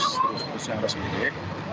terus terus yang harus dihubungi